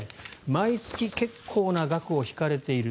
毎月、結構な額を引かれている。